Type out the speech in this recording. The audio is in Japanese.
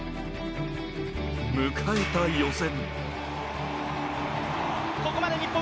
迎えた予選。